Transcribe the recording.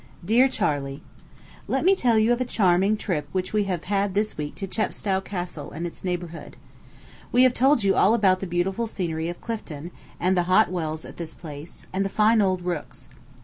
DEAR CHARLEY: Let me tell you of a charming trip which we have had this week to Chepstow Castle and its neighborhood. We have told you all about the beautiful scenery of Clifton, and the Hot Wells at this place, and the fine old rooks.